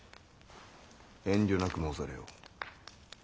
遠慮なく申されよ。